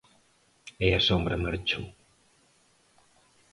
E a sombra marchou.